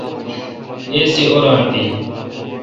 اے سی اوران بیل۔